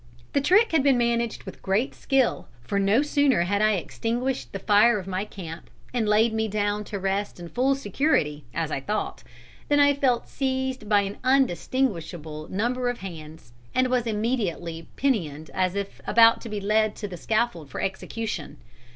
"'The trick had been managed with great skill; for no sooner had I extinguished the fire of my camp, and laid me down to rest in full security, as I thought, than I felt seized by an undistinguishable number of hands, and was immediately pinioned as if about to be led to the scaffold for execution.